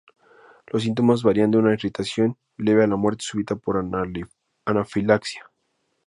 Los síntomas varían de una irritación leve a la muerte súbita por anafilaxia.